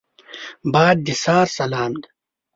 باد د سحر سلام دی